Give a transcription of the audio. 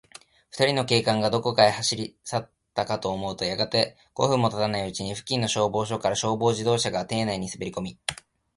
ふたりの警官が、どこかへ走りさったかと思うと、やがて、五分もたたないうちに、付近の消防署から、消防自動車が邸内にすべりこみ、